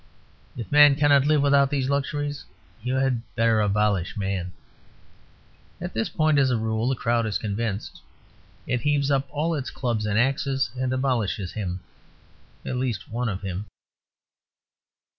If Man cannot live without these luxuries, you had better abolish Man." At this point, as a rule, the crowd is convinced; it heaves up all its clubs and axes, and abolishes him. At least, one of him.